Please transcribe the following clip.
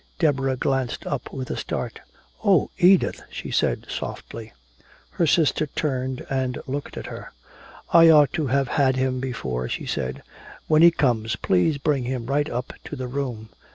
Deborah glanced up with a start. "Oh, Edith!" she said softly. Her sister turned and looked at her. "I ought to have had him before," she said. "When he comes, please bring him right up to the room."